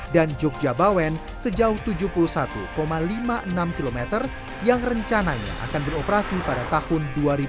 dan jogja bawen sejauh tujuh puluh satu lima puluh enam km yang rencananya akan beroperasi pada tahun dua ribu dua puluh satu